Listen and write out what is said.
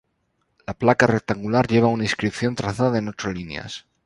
La placa rectangular lleva una inscripción trazada en ocho líneas.